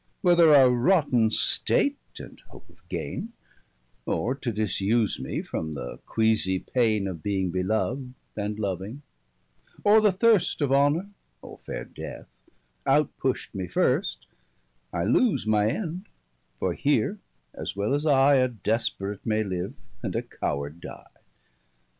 Whether a rotten state, and hope of gaine, Or to disuse mee from the queasie paine 40 Of being belov'd, and loving, or the thirst Of honour, or faire death, out pusht mee first, I lose my end: for here as well as I A desperate may live, and a coward die.